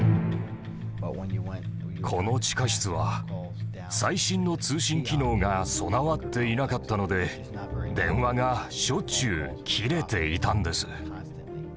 この地下室は最新の通信機能が備わっていなかったので電話がしょっちゅう切れていたんです。